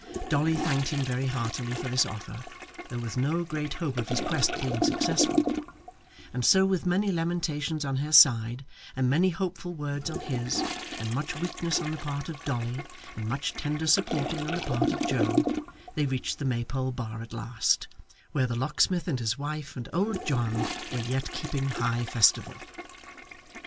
Dolly thanked him very heartily for this offer, though with no great hope of his quest being successful; and so with many lamentations on her side, and many hopeful words on his, and much weakness on the part of Dolly and much tender supporting on the part of Joe, they reached the Maypole bar at last, where the locksmith and his wife and old John were yet keeping high festival.